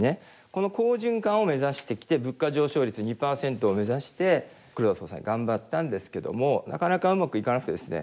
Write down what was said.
この好循環を目指してきて物価上昇率２％を目指して黒田総裁頑張ったんですけどもなかなかうまくいかなくてですね。